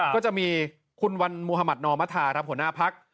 ก็จะมีคุณวันมุธมัธนอมธาครับหัวหน้าพัก